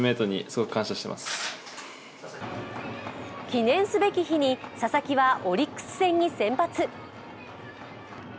記念すべき日に佐々木はオリックス戦に先発。